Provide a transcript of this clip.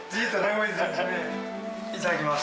いただきます。